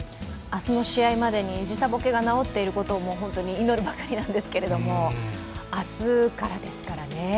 明日の試合までに時差ぼけが治っていることを本当に祈るばかりなんですけれども、明日からですからね。